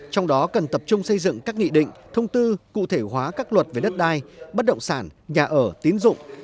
trong đó cần tập trung xây dựng các nghị định thông tư cụ thể hóa các luật về đất đai bất động sản nhà ở tín dụng